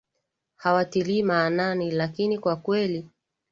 hawatilii maanani lakini kwa kweli